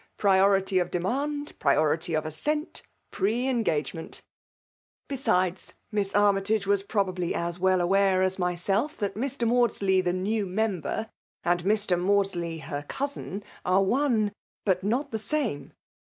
"PHority of demand, priority of assent, pre engagement ! Beside, Miss Army tage was probably as well aware as Myself that Mr. Maudsley, the new member, and Mr. Mandsley, her eoosin, are one, but not the same.